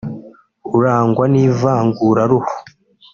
urangwa n’ivanguraruhu